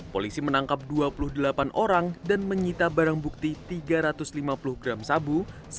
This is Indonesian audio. polisi menangkap dua puluh delapan orang dan menyita barang bukti tiga ratus lima puluh gram sabu